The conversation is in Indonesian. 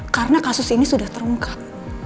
karena kasus ini sudah terungkap